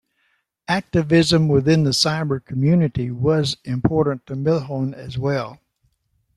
Activism within the cyber community was important to Milhon as well.